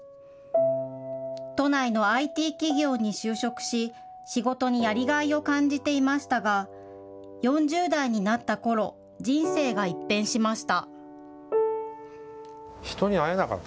都内のＩＴ企業に就職し、仕事にやりがいを感じていましたが４０代になったころ人生が一変しました。